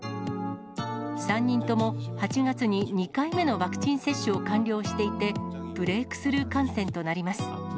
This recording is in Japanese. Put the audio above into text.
３人とも８月に２回目のワクチン接種を完了していて、ブレークスルー感染となります。